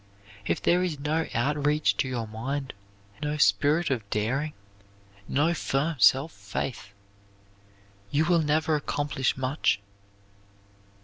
If there is no out reach to your mind, no spirit of daring, no firm self faith, you will never accomplish much.